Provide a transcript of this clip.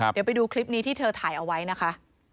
เดี๋ยวไปดูคลิปนี้ที่เธอถ่ายเอาไว้นะคะ